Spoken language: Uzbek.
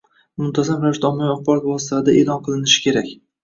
muntazam ravishda ommaviy axborot vositalarida e’lon qilinishi kerak.